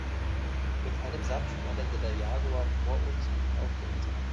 Mit einem Satz landete der Jaguar vor uns und fauchte uns an.